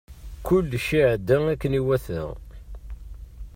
Kullec iɛedda akken iwata.